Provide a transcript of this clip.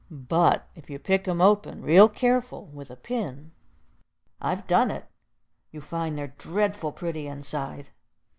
But if you pick 'em open, real careful, with a pin, I've done it, you find they're dreadful pretty inside.